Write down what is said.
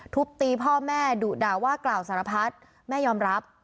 ทุบตีพ่อแม่ดุด่าว่ากล่าวสารพัฒน์แม่ยอมรับ